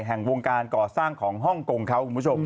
แห่งวงการก่อสร้างของฮ่องกงเขาคุณผู้ชม